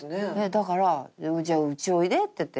だから「じゃあウチおいで」って言って。